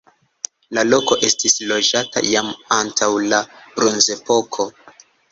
La loko estis loĝata jam antaŭ la bronzepoko.